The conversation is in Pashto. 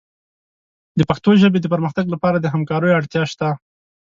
د پښتو ژبې د پرمختګ لپاره د همکاریو اړتیا شته.